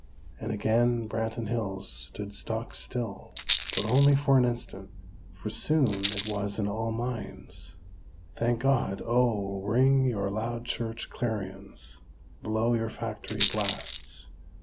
and again, Branton Hills stood stock still. But only for an instant; for soon, it was, in all minds: "Thank God!! Oh, ring your loud church clarions! Blow your factory blasts!